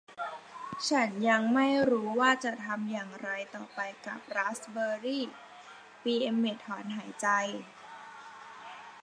ฉันยังไม่รู้ว่าจะทำอย่างไรต่อไปกับราสเบอร์รี่ปี่เอ็มเม็ตต์ถอนหายใจ